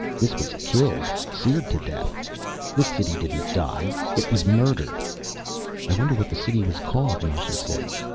This was killed, seared to death. This city didn't die it was murdered." "I wonder what the city was called," Nasha said.